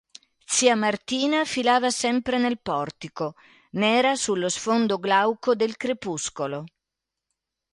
Zia Martina filava sempre nel portico, nera sullo sfondo glauco del crepuscolo.